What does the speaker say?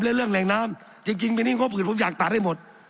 เรื่องแหล่งน้ำจริงจริงวันนี้งบผิดผมอยากตัดได้หมด